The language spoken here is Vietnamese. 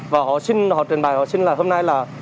và họ xin họ trình bày họ xin là hôm nay là